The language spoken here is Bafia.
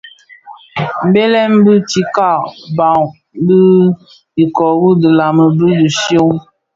Belem dhi tikaň bas bi iköö wu dhilami, bi dhishyon,